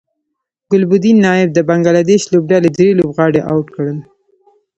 ګلبدین نایب د بنګلادیش لوبډلې درې لوبغاړي اوټ کړل